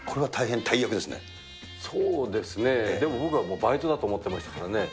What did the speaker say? そうですね、でも僕はバイトだと思ってましたからね。